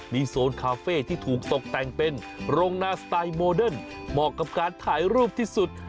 มีโซนคาเฟ่ที่ถูกตกแต่งเป็นโรงนาสไตล์โมเดิร์นเหมาะกับการถ่ายรูปที่สุด